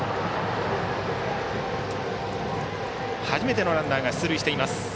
初めてのランナーが出塁しています。